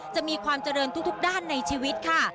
จะมีความเจริญทุกด้านในชีวิตค่ะ